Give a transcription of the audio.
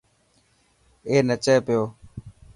اي نچي پيو.